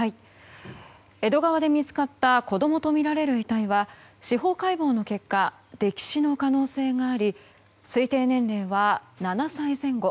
江戸川で見つかった子供とみられる遺体は司法解剖の結果溺死の可能性があり推定年齢は７歳前後。